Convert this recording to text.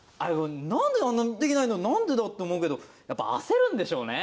なんであんなにできないのなんでだ？って思うけどやっぱ焦るんでしょうね。